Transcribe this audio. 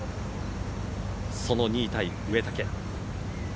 その２位タイ、植竹。